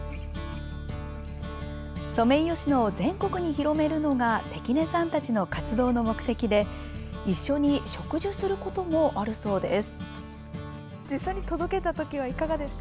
ソメイヨシノを全国に広めるのが関根さんたちの活動の目的で一緒に植樹することもあるそうです。